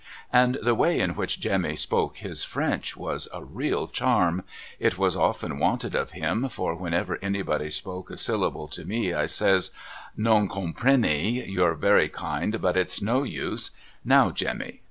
And the way in which Jemmy spoke his French was a real charm. It was often wanted of him, for whenever anybody spoke a syllable to me I says ' Non comprcnny, you're very kind, but it's no use Now Jemmy